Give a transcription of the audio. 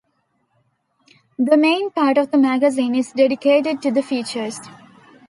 The main part of the magazine is dedicated to the features.